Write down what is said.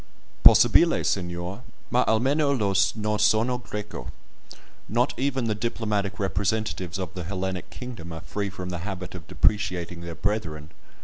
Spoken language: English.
"Possibile, signor, ma almeno Io no sono Greco." Not even the diplomatic representatives of the Hellenic kingdom are free from the habit of depreciating their brethren.